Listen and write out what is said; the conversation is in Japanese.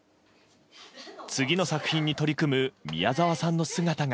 次の作品に取り組む宮沢さんの姿が。